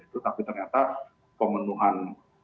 tetapi ternyata pemenuhan